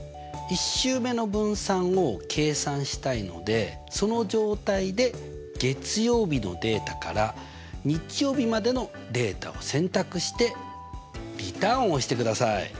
１週目の分散を計算したいのでその状態で月曜日のデータから日曜日までのデータを選択してリターンを押してください。